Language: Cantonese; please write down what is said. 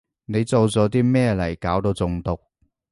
你做咗啲咩嚟搞到中毒？